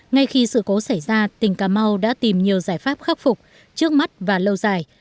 ngay khi sự cố xảy ra tỉnh cà mau đã tìm nhiều giải pháp khắc phục trước mắt và lâu dài